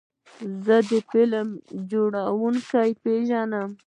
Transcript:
زه د فلم جوړونکي پیژنم.